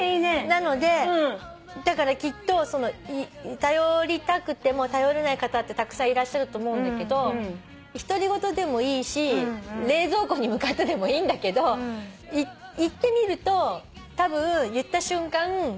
なのでだからきっと頼りたくても頼れない方ってたくさんいらっしゃると思うんだけど独り言でもいいし冷蔵庫に向かってでもいいんだけど言ってみるとたぶん言った瞬間